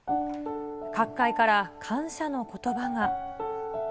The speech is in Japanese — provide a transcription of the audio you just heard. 各界から感謝のことばが。